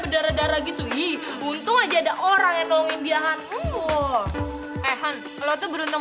berdarah darah gitu ih untung aja ada orang yang nolongin dia han eh han lo tuh beruntung